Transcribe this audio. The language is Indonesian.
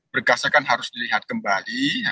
perkasa kan harus dilihat kembali